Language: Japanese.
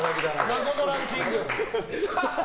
謎のランキング。